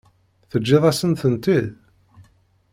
Teǧǧiḍ-asen-tent-id?